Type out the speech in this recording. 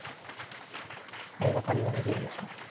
相掛かりは予定ですか？